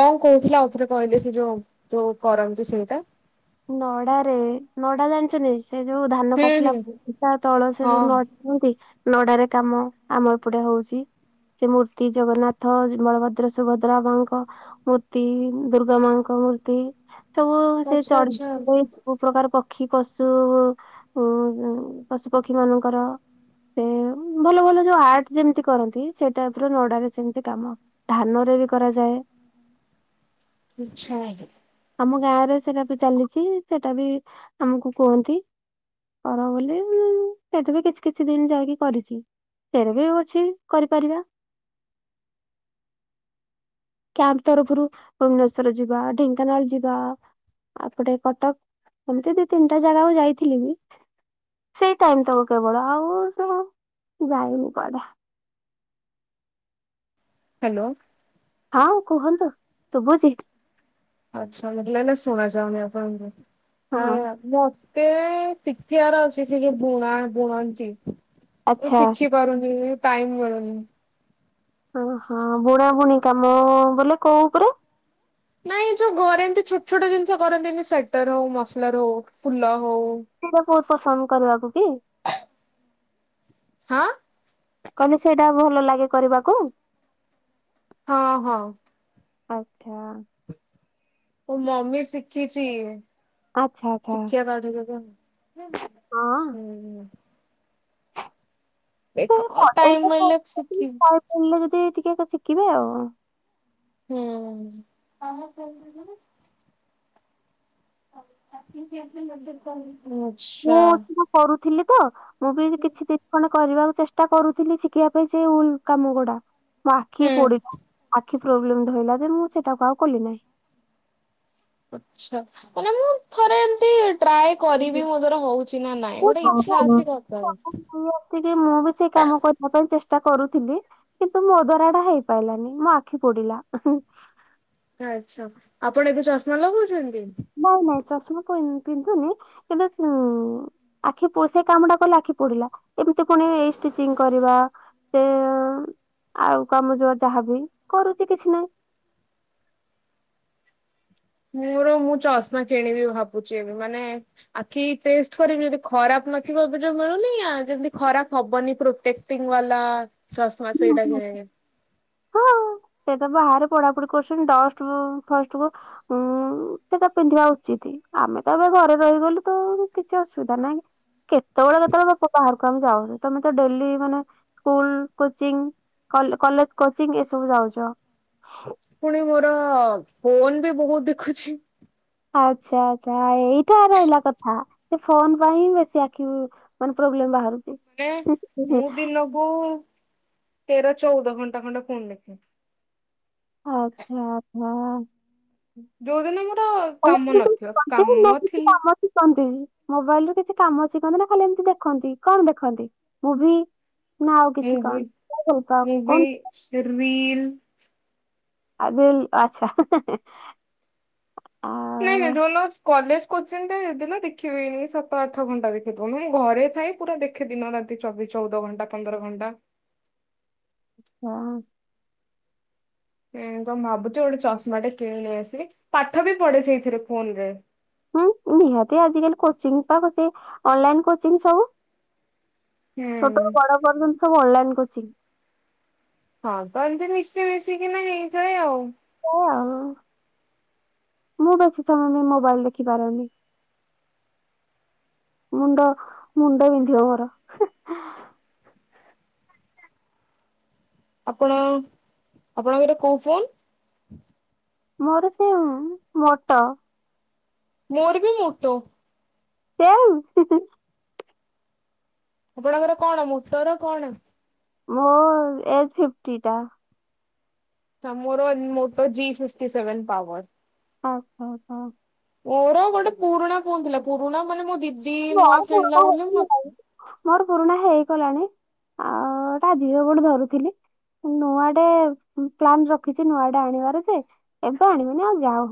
ଓଃ। କୋହୁଥିଲେ ଆଉଥରେ କହିଲେ ସେ ଯୋଉ ଯୋଉ କରନ୍ତୁ ସେଇଟା। ନଡାରେ ନଡା ଜାଣିଚନ୍ତି? ସେ ଯୋଉ ଧାନ ହୁଁ କାଟିଲା ହୁଁ। ତା ତଳ ସେ ଯୋଉ ହଁ ନଡିନ୍ତି। ନଡାରେ କାମ ଆମ ଏପଟେ ହୋଉଚି ସେ ମୂର୍ତ୍ତି ଜଗନ୍ନାଥ, ବଳଭଦ୍ର, ସୁଭଦ୍ରା ମାଙ୍କ ମୂର୍ତ୍ତି, ଦୁର୍ଗା ମାଙ୍କ ମୂର୍ତ୍ତି। ସବୁ ସେ ଆଚ୍ଛା ଚଢି ଆଚ୍ଛା [unintelligible] ବୋହୁ ପ୍ରକାର ପକ୍ଷୀପଶୁ ଉ-ପଶୁପକ୍ଷୀ ମାନଙ୍କର ଉଁ ଭଲ ଭଲ ଯୋଉ ଆର୍ଟ ଯେମତି କରନ୍ତି ସେ ଟାଇପର ନଡାରେ ସେମିତି କାମ ଧାନରେ ବି କରାଯାଏ। ଆଛା [unintelligible] ଆମ ଗାଁରେ ସେରା ବି ଚାଲି ଚି ସେଟା ବି ଆମକୁ କୁହନ୍ତି କର ବୋଲି ମୁଁ ସେଠି ବି କିଛି କିଛି ଦିନ ଯାଇକି କରିଚି ସେରା ବି ଅଛି କରିପାରିବା। କ୍ୟାମ୍ପ ତରଫରୁ ଭୁବନେଶ୍ଵର ଯିବା ଢେଙ୍କାନାଳ ଯିବା ଏପଟେ କଟକ ଏମତି ଦି ତିନିଟା ଜାଗାକୁ ଯାଇଥିଲି ବି ସେଇ ଟାଇମ୍ ତଳୁ କେବଳ ଆଉ ସେଡା ଯାଇନି କୁଆଡେ। ହାଲୋ ହଁ କୁହନ୍ତୁ ଶୁଭୁଚି ଆଛା ମତେଲାଗିଲା ଶୁଣାଯାଉନି ଆପଣଙ୍କ ଭଏସ୍। ହଁ ମୁଁ ଅଛ୍ ଏ ଶିକିଆର ଅଛି ସେ ଯୋଉ ବୁଣା ବୁଣନ୍ତି। ମୁଁ ଆଚ୍ଛା ଶିଖିପାରୁନି। ଟାଇମ୍ ମିଳୁନି। ଓ ହଁ ବୁଣାବୁଣି କାମ ବୋଲେ କୋଉ ଉପରେ? ନାଇଁ ଏ ଯୋଉ ଘରେ ଏମିତି ଛୋଟ ଛୋଟ ଜିନିଷ କରନ୍ତିନି ସ୍ଵେଟର ହଉ ମଫଲର ହଉ ଫୁଲ ହଉ। [unintelligible] ପସନ୍ଦ କରିବାକୁ ବି? ହଁ। କହିଲେ ସେଇଟା ଭଲ ଲାଗେ କରିବାକୁ? ହଁ ହଁ ଆଚ୍ଛା ମୋ ମମି ଶିଖିଛି। ଆଚ୍ଛା ଆଚ୍ଛା ଶିଖିବା ତାଠୁ କେବେ ହୁଁ ହଁ ହୁଁ। ଏକ କ ଟାଇମ ମିଳିଲେ ଶିଖିବୁ। ଟେ ଟିକେ ଏକ ଶିଖିବେ ଆଉ। ହୁଁ। [unintelligible] ମୁଁଠ ତୁ କରୁଛି। ଥିଲି ତ ମୁଁ ବି କିଛି ତୀକ୍ଷଣ କରିବାକୁ ଚେଷ୍ଟା କରୁଥିଲି ଶିଖିବା ପାଇଁ ସେ ଉଲ୍ କାମ ଗୁଡା। ମାଖିକି ହୁଁ। ପୋଡିଥିବୁ। ଆଖି ପ୍ରୋବ୍ଲେମ ଧଇଲା ଦିନୁ ସେଇଟାକୁ ଆଉ କଲି ନାହିଁ। ଆଚ୍ଛ ମାନେ ମୁଁ ଥରେ ଏମତି ଟ୍ରାଏ କରିବି ମୋଦ୍ୱାରା ହଉଛି ନା ନାଇଁ ଗୋଟେ ଇଚ୍ଛା ଅଛି କରିଦେବାକୁ। ମୁଁ ବି ସେଇ କାମ କରିବା ପାଇଁ ଚେଷ୍ଟା କରୁଥିଲି କିନ୍ତୁ ମୋ ଦ୍ୱାରା ସେଟା ହେଇପାରିଲା ନାହିଁ ମୋ ଆଖି ପୋଡିଲା। ଆଚ୍ଛା ଆଚ୍ଛା ଆପଣ ଏତ ଚଶମା ଲଗଉଛନ୍ତି? ନାଇଁ ନାଇଁ ଚାଷ ବି କନି ପିନ୍ଧୁନି କିନ୍ତୁ ଉଁ ଆଁଖି ପୋ ସେଇ କାମଟା କଲେ ଆଁଖି ପୋଡ଼ିଲା ଏମତି ପୁନି ଏଇ ଷ୍ଟିଚିଙ୍ଗ୍ କରିବା ସେ ଅ ଆଉ କାମ ଯୋ ଯାହାବି କରୁଛି କିଛି ନାଇଁ ମୋର ମୁଁ ଚଷ୍ମା କିଣିବି ଭାବୁଚି ଏବେ ମାନେ ଆଖି ଟେଷ୍ଟ କରିବି ଯଦି ଖରାପ୍ ନଥିବ ଏବେ ଯୋଉ ମିଳୁନି ଆ ଯେମତି ଖରାପ ହବନି ପ୍ରୋଟେକ୍ଟିଙ୍ଗ୍ ୱାଲା ଚଷ୍ମା ହୁଁ, ସେଇଟା ହୁଁ। କିଣିବି। ହଁ ସେ ତ ବାହାରେ ପଢ଼ାପଢ଼ି କରୁଛନ୍ତି ଡଷ୍ଟ୍ କୁ ଫାଷ୍ଟ୍ କୁ ଉଁ ସେଟା ପିନ୍ଧିବା ଉଚିତି ଆମେ ତ ଏବେ ଘରେ ରହିଗଲୁ ତ କିଛି ଅସୁବିଧା ନାଇଁ କେତେବେଳେ ଯେତେବେଳେ ଯେ ପୋ ବାହାର୍ କୁ ଆମେ ଯାଉନୁ ତମେ ତ ଡେଲି ମାନେ ସ୍କୁଲ କୋଚିଂ କଲ୍ କଲେଜ୍ କୋଚିଂ ଏସବୁ ଯାଉଚ ପୁଣି ମୋର ଅ ଫୋନ୍ ବି ବହୁତ୍ ଦେଖୁଛି। ଆଚ୍ଛା ଆଚ୍ଛା ଆ ଏଇଟା ରହିଲା କଥା ଯେ ଫୋନ୍ ପାଇଁ ବେଶୀ ଆଁଖିବ୍ ମାନେ ପ୍ରୋବ୍ଲେମ୍ ବାହାରୁଛି। ନେ ମୁଁ ବି ଦିନକୁ ତେର ଚଉଦ ଘଣ୍ଟା ଖଣ୍ଡେ ଫୁନ୍ ଦେଖେ ଆଛା ଆଛା ଯୋଉଦିନ ମୁଁ ହଁ କାମ ନା ଥିବା କାମ ଥିଲ୍ ଇ ମୋବାଇଲ ରୁ କିଛି କାମ ଶିଖନ୍ତି ନା ଖାଲି ଏମିତି ଦେଖନ୍ତି କଣ୍ ଦେଖନ୍ତି ମୁଭି? ନା ଆଉ ମୁଁ କିଛି ବି କଣ? କଣ ଭଲ ପାଅ ମୁଁ ବି କଣ ରିଲ୍ ଆ ଦିଲ୍ ଆଚ୍ଛା ହେଁ ହେଁ ହେଁ ନାଇଁ ନାଇଁ ଡୋନାକ୍ସ କଲେଜ କୋଚିଂ ରେ ଦିନ ଦେଖିବେଇନି ସାତ ଆଠ ଘଣ୍ଟା ଦେଖିବ ମୁଁ ଘରେ ଥାଇ ପୁରା ଦେଖେ ଦିନ ରାତି ଚବି ଚଉଦ ଘଣ୍ଟା ପନ୍ଦର ଘଣ୍ଟା ହଁ। ଉଁ ତମେ ଭାବୁଚ ଗୋଟେ ଚଷମା ଟେ କିଣି ନେଇ ଆସିବି। ପାଠ ବି ପଢ଼େ ସେଇଥିରେ ଫୋନ୍ ରେ। ହୁଁ ନିହାତି ଆଜିକାଲି କୋଚିଙ୍ଗ୍ ପା ଗୋଟିଏ ଅନଲାଇନ୍ କୋଚିଙ୍ଗ୍ ସବୁ। ହୁଁ ଛୋଟରୁ ବଡ଼ ପର୍ଯ୍ୟନ୍ତ ସବୁ ଅନଲାଇନ୍ କୋଚିଙ୍ଗ୍। ହଁ ତ ଏମତି ମିଶି ମିଶିକିନା ହେଇଯାଏ ଆଉ। ଏୟା ଆଉ। ମୁଁ ବେଶୀ ସମୟ ବି ମୋବାଇଲ୍ ଦେଖିପାରୁନି। ମୁଣ୍ଡ ମୁଣ୍ଡ ବିନ୍ଧିବ ମୋର ହିଁ ଆପଣଙ୍କ ଆପଣଙ୍କର କୋଉ ଫୋନ୍? ମୋର ସେଇ ମୋଟୋ। ମୋର୍ ବି ମୋଟୋ। ସେୟା ଆଉ ହୁଁ ହୁଁ। ଆପଣଙ୍କର କଣ ମୋଟୋ ର କଣ? ମୋର୍ ଏଫ୍ ଫିଫ୍ଟି ଟା। ମୋର Moto G fifty seven power. ଅ ହ ହ। ମୋର ଗୋଟେ ପୁରୁଣା ଫୋନ୍ ଥିଲା ପୁରୁଣା ମାନେ ମୋ ଦି ମୋର ପୁରୁଣା ହେଇନି ଆଉ। ମୋର ପୁରୁଣା ହେଇ ଗଲାଣି ଆଉ ଏଟା ଜିଓ ଗୋଟେ ଧରୁଥିଲି। ନୂଆଟେ ପ୍ଲାନ୍ ରଖିଛି ନୂଆଟା ଆଣିବାର ଯେ ଏବେ ଆଣିବନି ଆଉ ଯାଉ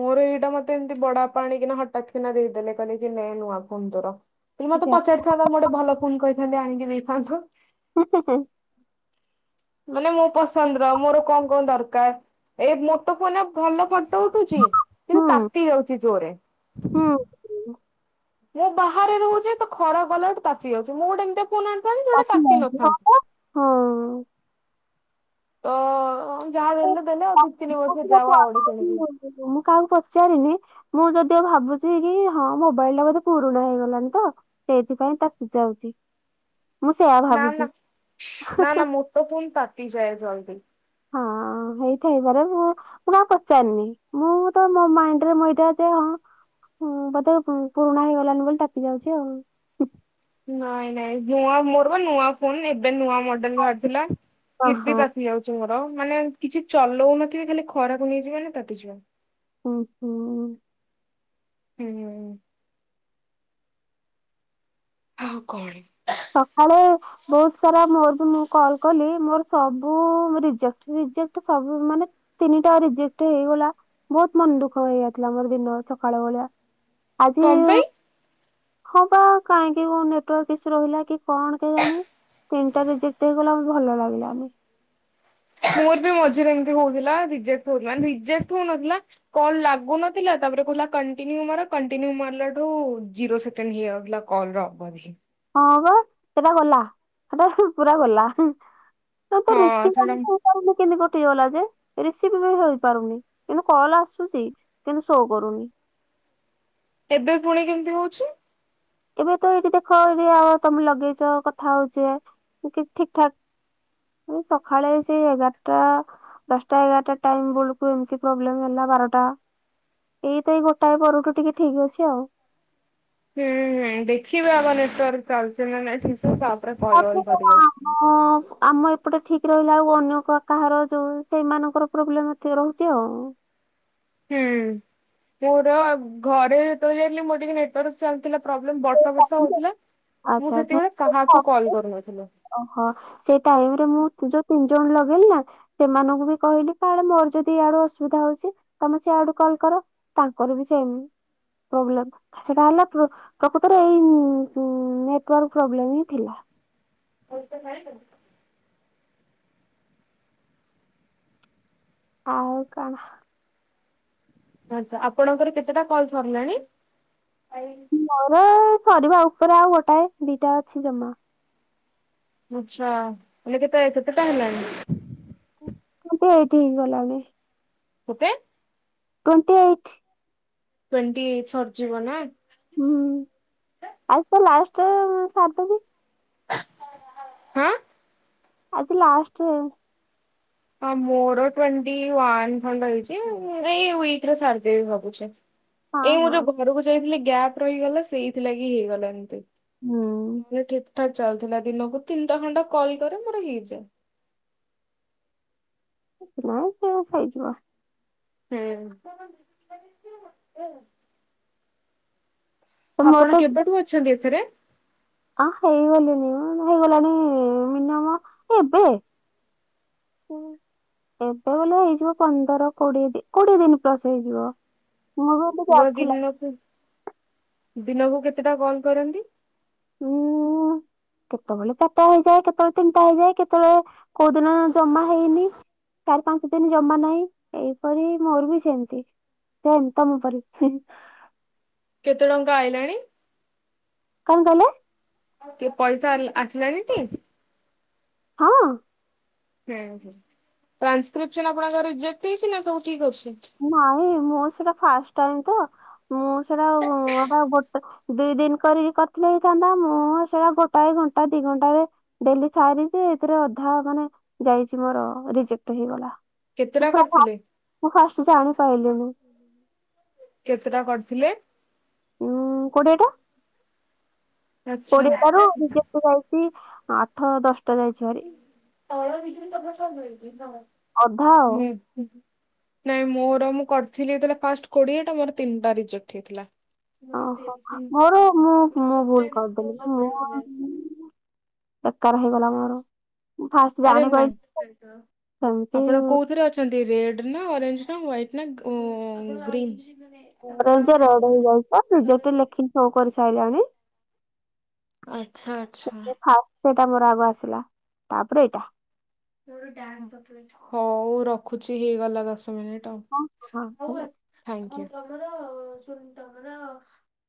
ମୋର ଏଇଟା ମତେ ଏମତି ବଡ଼ ବାପା ଆଣିକିନା ହଠାତ୍ କିନା ଦେଇଦେଲେ କହିଲେ କି ନେ ନୂଆ ଫୋନ୍ ତୋର। ହେଲେ ମତେ ଯାଉ। ପଚାରିଥାନ୍ତ ମୁଁ ଗୋଟେ ଭଲ ଫୋନ୍ କହି ଥାନ୍ତି ଆଣିକି ଦେଇଥାନ୍ତ। [unintelligible] ଉଁ ଉଁ ମାନେ ମୋ ପସନ୍ଦ୍ ର ମୋର କଣ କଣ ଦରକାର ଏଇ ମୋଟୋ ଫୋନ୍ ରେ ଭଲ ଫ ଟୋ ଉଠୁଛି କିନ୍ତୁ ହୁଁ ତାତି ଯାଉଚି ଜୋର୍ ରେ ହୁଁ। ମୁଁ ବାହାରେ ରହୁଛି ତ ଖରା କଲାଠୁ ତାତି ଯାଉଛି ମୁଁ ଗୋଟେ ଏମତିଆ [unintelligible] ତ ଯାହା ଦେଲେ ଦେଲେ ଆଉ ଦୁଇ ତିନି ବର୍ଷ ମୁଁ ଯାଉ ଆଉ ଗୋଟେ କିଣିବି। କାହାକୁ ପଚାରିନି ମୁଁ ଯଦିଓ ଭାବୁଛି କି ହଁ ମୋବାଇଲ ଟା ବୋଧେ ପୁରୁଣା ହେଇଗଲାଣି ତ ସେଇଥିପାଇଁ ତାତି ଯାଉଛି। ମୁଁ ସେୟା ନା ନା ଭାବୁଛି ନା ନା ମୋଟୋ ଫୋନ ତାତିଯାଏ ଜଲଦି। ହଁ ହେଇଥାଇପାରେ ମୁଁ ମୁଁ କାହାକୁ ପଚାରିନି। ମୁଁ ତ ମୋ ମାଇଣ୍ଡରେ ମୁଁ ଏଇଟା ଯେ ହଁ ବୋଧେ ପୁରୁଣା ହେଇଗଲାଣିି ବୋଲି ତାତି ଯାଉଛି ଆଉ। ନାଇଁ ନାଇଁ ନୂଆ ମୋର ବା ନୂଆ ଫୋନ୍ ଏବେ ନୂଆ ମଡେଲ ବାହାରି ଥିଲା ଫିର ବି ଓହୋ ତାତି ଯାଉଛି ମୋର। ଆଉ ମାନେ କିଛି ଚଲଉନଥିବେ ଖାଲି ଖରାକୁ ନେଇଯିବେ ମାନେ ତାତି ଯିବ। ଓହୋ। ହୁଁ ହୁଁ। ଆଉ କଣ? ସକାଳେ ବହୁତ ସାରା ମୋର ବି ମୁଁ କଲ କଲି ମୋର ସବୁ ରିଜେକ୍ଟ୍ ରିଜେକ୍ଟ୍। ସବୁ ମାନେ ତିନିଟା ରିଜେକ୍ଟ୍ ହେଇଗଲା ବହୁତ ମନ ଦୁଃଖ ହେଇଯାଇଥିଲା ମୋର ଦିନ ସକାଳ ଭଳିଆ। ଆଜି କଣ ପାଇଁ? ହଁ ପା କାହିଁକି ମୋ ନେଟୱର୍କ କି ରହିଲା କି କଣ କେଜାଣି ତିନିଟା ରିଜେକ୍ଟ ହେଇଗଲା ମୋତେ ଭଲ ଲାଗିଲାନି। ମୋର ବି ମଝିରେ ଏମିତି ହଉଥିଲା ରିଜେକ୍ଟ୍ ହଉଥିଲା ମାନେ ରିଜେକ୍ଟ ହଉନଥିଲା। କଲ ଲାଗୁନଥିଲା ତାପରେ କହୁଥିଲା କଣ୍ଟିନିୟୁ ମାର୍ କଣ୍ଟିନିୟୁ ମାରିଲାଠୁ ଜିରୋ ସେକଣ୍ଡ ହେଇଯାଉଥିଲା କଲ୍ ର ଅବଧି। ହଁ ବା ସେଟା ଗଲା ସେଟା ପୁରା ଗଲା। [unintelligible] ହେଇଗଲା ଯେ ହଁ ସେଇଟା ରିସିଭ୍ ବି ହେଇପାରୁନି କିନ୍ତୁ କଲ ଆସୁଛି କିନ୍ତୁ ଶୋ କରୁନି। ଏବେ ପୁଣି କେମିତି ହଉଛି? ଏବେ ତ ଏଇଠି ଦେଖ ଏଠି ଆଉ ତମେ ଲଗେଇଚ କଥା ହଉଛି ଏ ଠିକ ଠାକ ସକାଳେ ସେ ଏଗାରଟା ଦଶଟା ଏଗାରଟା ଟାଇମ୍ ବେଳକୁ ଏମିତି ପ୍ରୋବ୍ଲେମ ହେଲା ବାରଟା ଏଇତ ଏଇ ଗୋଟାଏ ପରଠୁ ଟିକେ ଠିକ ଅଛି ଆଉ। ହୁଁ ହୁଁ ଦେଖିବା ଆଗ ନେଟୱାର୍କ ଚାଲଛି ନା ନାଇଁ ଠିକ୍ ସେ ତା ପ କଲ୍ ଭଲ୍ କରିବେ। ଆମ ଆମ ଏପଟେ ଠିକ୍ ରହିଲା ଆଉ ଅନ୍ୟ କ କାହାର ଯୋଉ ସେଇମାନଙ୍କର ପ୍ରୋବ୍ଲେମ ଏତିକ ରହୁଛି ଆଉ। ହୁଁ ପୁରା ଘରେ ଯେତବେଳେ ହେଲେ ମୋର ଟିକେ ନେଟାୱାର୍କ ଚାଲିଥିଲା ପ୍ରୋବ୍ଲେମ୍ ବର୍ଷା ବର୍ଷା ହଉଥିଲା। ମୁଁ ଆଛା ଆଛା ସେତେବେଳେ କାହାକୁ କଲ୍ ଓହୋ କରୁନଥିଲି। ହ ସେ ଟାଇମ୍ ରେ ମୁଁ ଯୋଉ ତି ଜଣ ଲଗେଇଲି ନା ସେମାନଙ୍କୁ ବି କହିଲି କଳେ ମୋର ଯଦି ଇଆଡୁ ଅସୁବିଧା ହଉଛି ତମେ ସିଆଡୁ କଲ୍ କର ତାଙ୍କର ବି ସେଇ ପ୍ରୋବ୍ଲେମ ସେଟା ହେଲା ପ୍ର ପ୍ରକୃତରେ ଏଇ ଇ ଇ ନେଟୱାର୍କ ପ୍ରୋବ୍ଲେମ୍ ହିଁ ଥିଲା। ହତ ଖାଇ ଆଉ କଣ? ଆଛା ଆପଣଙ୍କର କେତେଟା କଲ୍ ସରିଲାଣି? ମୋର ଅ ସରିବା ଉପରେ ଆଉ ଗୋଟାଏ ଦିଟା ଅଛି ଜମା। ଆଛା ମାନେ କେତେ କେତେ ଟା ହେଲାଣି? [unintelligible] କେତେ? Twenty eight. ଟ୍ୱଣ୍ଟି ଏଇଟ୍ ସରିଯିବ ନା? ଆ ସାତ ବଜ ହୁଁ। ଆଜି ଲାଷ୍ଟ। ହଁ ମୋର ଟୋନଟି ୱ‌‌ଆନ ଖଣ୍ଡେ ହେଇଚି ଏଇ ୱ‌ଇକ ରେ ସାରିଦେବି ଭାବୁଛି। ହଁ ଏଇ ମୁଁ ହଁ। ଯୋଉ ଘରକୁ ଯାଇଥିଲି। ଗ୍ୟାପ ରହିଗଲା ସେଇଥିଲାଗି ହେଇଗଲା ଏମିତି। ହୁଁ। [unintelligible] ଠାକ ଚାଲିଥିଲା ଦିନକୁ ତିନିଟା ଘଣ୍ଟା କଲ କରେ ମୋର ହେଇଯାଏ। ସେ ସେ ହେଇଯିବ। ହୁଁ। ତ ଆପଣ କେବେଠୁ ଅଛନ୍ତି ଏଥିରେ। ଆ ହେଇଗଲିଣିି ହେଇଗଲାଣିି ଏବେ ଏବେ ବୋଲେ ହେଇଯିବ ପନ୍ଦର କୋଡିଏ କୋଡିଏ ଦିନ ପ୍ଲସ ହେଇଯିବ। ମୁଁ ବି ଟିକେ ଆପଣ ଅଥିଲା। ଦିନକୁ ଦିନକୁ କେତେଟା କଲ କରନ୍ତି। ଉୁଁ କେତେବେଳେ ଚାର୍ଟା ହେଇଥାଏ କେ କେତେବେଳେ ତିନିଟା ହେଇଯାଏ। କେତେବେଳେ କୋଉ ଦିନ ଜମା ହେଇନି ଚାରି ପାଞ୍ଚ ଦିନ ଜମା ନାହିଁ। ଏଇପରି ମୋର ବି ସେମିତି ସେମିତି ତମ ପରି। କେତେ ଟଙ୍କା ଆଇଲାଣି। କଣ କହିଲେ। କି ପଇସା ଆସିଲାଣି ଟି। ହଁ। ହୁଁ ହୁଁ ଟ୍ରଂସ୍କ୍ରିପ୍ସନ ଆପଣଙ୍କ ରଜେକ୍ଟ ହେଇଛି। ନା ସବୁ ଠିକ ଆସୁଛି। ନାଇଁ ମୁଁ ସେଟା ଫାଷ୍ଟ ଟାଇମ ତ ମୁଁ ସେଇଟା ଦିଇ ଦିନ କରିକି କରିଥିଲେ ହେଇଥାନ୍ତା ମୁଁ ସେଟା ଗୋଟାଏ ଘଣ୍ଟା ଦି ଘଣ୍ଟରେ ଡେଲି ସାରଛି ଏଥିରେ ଅଧା ମାନେ ଯାଇଛି। ମୋର ରିଜେକ୍ଟ ହେଇଗଲା। ମୁଁ କେତେଟା ପୁରା ଫା କରିଥିଲେ। ମୁଁ ଯାଣିପାଇଲିନି। କେତେଟା କରିଥିଲେ। ଉଁ କୋଡିଏ ଟା। ଆଚ୍ଛା କୋଡ଼ିଏ ଟାରୁ ହୁଁ। ରେଜେକ୍ଟ୍ ଯାଇଚି। ଆଠ ଦଶ ଟା ଯାଇଚି ଭାରି। [unintelligible] ହୁଁ ହୁଁ। ଅଧା ଆଉ। ନାଇଁ ମୋର ମୁଁ କରିଥିଲି ଏଇଥିରେ ଫାଷ୍ଟ କୋଡିଏ ଟା ମୋର ତିନିଟା ରିଜେକ୍ଟ ହେଇଥିଲା। ଓହୋ ମୋର ମୁଁ ମୁଁ ଭୁଲ କରିଦେଲିି ମୁଁ ଆଉ ବେକାର ହେଇଗଲା ମୋର। ମୁଁ ଫାଷ୍ଟ ଆରେ ନା ଜାଣିପାରିଲି ସେମିତି ଆପଣ କୋଉଥିରେ ଅଛନ୍ତି ରେଡ୍ ନା ଓରେଞ୍ଜ। ନା ୱାଇଟ୍ ନା। [unintelligible] ଅରେଞ୍ଜ ରେଡ୍ ହେଇଯାଇଚି ପା ରିଜେକ୍ଟ ଲେଖି ‌ସୋ କରିସାଇଲାଣି। ଆଚ୍ଛା ଆଚ୍ଛା। ସେଟା ମୋର ଆଗ ଆସିଲା ତାପରେ ଏଇଟା। ହୋଉ ରଖୁଚି ହେଇଗଲା ଦଶ ମିନିଟ। ହଁ ଟ ହଁ ଥାଙ୍କୟୁ। ତମର ଶୁନ୍ ତମର